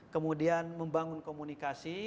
kemudian membangun komunikasi